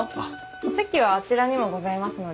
お席はあちらにもございますので。